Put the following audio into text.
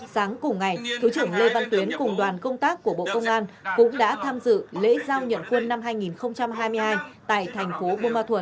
sáng cùng ngày thứ trưởng lê văn tuyến cùng đoàn công tác của bộ công an cũng đã tham dự lễ giao nhận quân năm hai nghìn hai mươi hai tại thành phố bô ma thuật